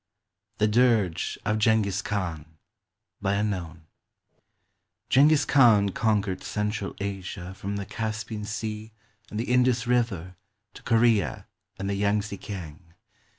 THE DIRGE OF JENGHIZ KHAN [Jenghiz Khan conquered central Asia from the Caspian Sea and the Indus River to Korea and the Yang tze kiang.